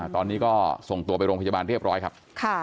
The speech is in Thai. ตอนนี้ก็ส่งตัวไปโรงพยาบาลเรียบร้อยครับ